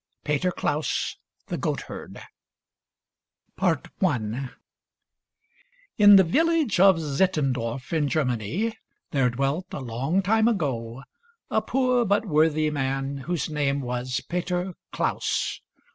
PETER KLAUS THE GOATHERD In the village of Sittendorf in Germany there dwelt, a long time ago, a poor but worthy man whose name was Peter Klaus.